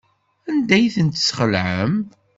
Anda ay ten-tesxelɛem?